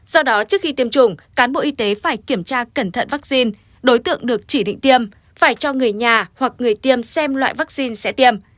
do đó trước khi tiêm chủng cán bộ y tế phải kiểm tra cẩn thận vaccine đối tượng được chỉ định tiêm phải cho người nhà hoặc người tiêm xem loại vaccine sẽ tiêm